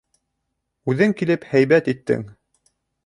Үҙең килеп һәйбәт иттең.